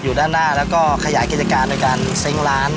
ด้านหน้าแล้วก็ขยายกิจการโดยการเซ้งร้าน